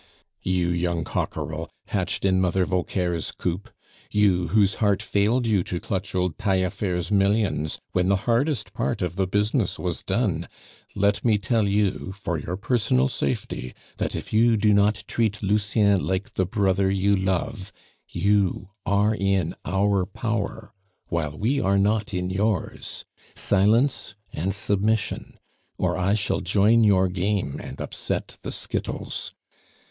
"You young cockerel, hatched in Mother Vauquer's coop you, whose heart failed you to clutch old Taillefer's millions when the hardest part of the business was done let me tell you, for your personal safety, that if you do not treat Lucien like the brother you love, you are in our power, while we are not in yours. Silence and submission! or I shall join your game and upset the skittles.